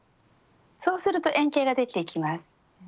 そうすると円形ができてきます。